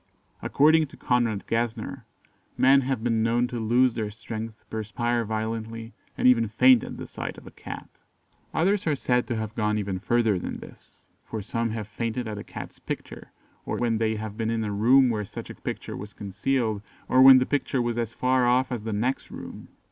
According to Conrad Gesner, men have been known to lose their strength, perspire violently, and even faint at the sight of a cat. Others are said to have gone even further than this, for some have fainted at a cat's picture, or when they have been in a room where such a picture was concealed, or when the picture was as far off as the next room.